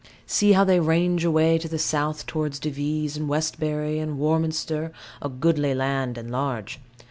See how they range away to the south toward Devizes, and Westbury, and Warminster, a goodly land and large.